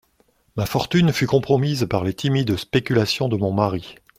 Ma fortune fut compromise par les timides spéculations de mon mari.